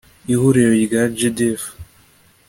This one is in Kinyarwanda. Ihuriro ya JADF